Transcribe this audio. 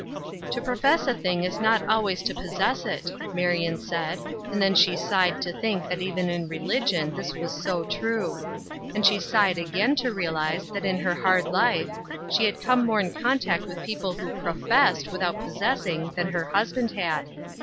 " To profess a thing is not always to possess it," Marion said, and then she sighed to think that even in religion this was so true ; and she sighed again to realize that in her hard life she had come more in contact with people who pro fessed without possessing than her husband had.